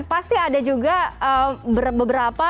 pasti ada juga beberapa